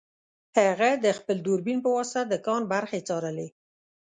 هغه د خپل دوربین په واسطه د کان برخې څارلې